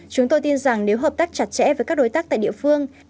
chúng tôi tin rằng nếu hợp tác chặt chẽ với các đối tác tại địa phương